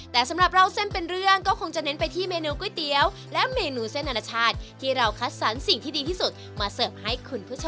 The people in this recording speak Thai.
แต่สำหรับเล่าเส้นเป็นเรื่องก็คงจะเน้นไปที่เมนูก๋วยเตี๋ยวและเมนูเส้นอนาชาติที่เราคัดสรรสิ่งที่ดีที่สุดมาเสิร์ฟให้คุณผู้ชม